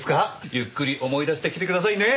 ゆっくり思い出してきてくださいね。